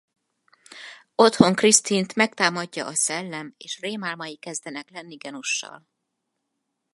Otthon Christine-t megtámadja a szellem és rémálmai kezdenek lenni Ganush-al.